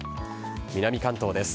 南関東です。